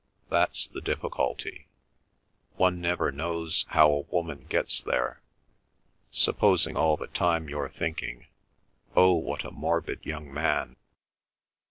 That's the difficulty. One never knows how a woman gets there. Supposing all the time you're thinking, 'Oh, what a morbid young man!